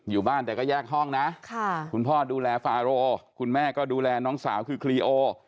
อยู่บ้านแต่ก็แยกห้องนะคุณพ่อดูแลฟาโรคุณแม่ก็ดูแลน้องสาวคือคลีโอ